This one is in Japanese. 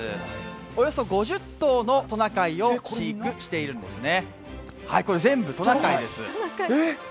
およそ５０頭のトナカイを飼育しているんですね。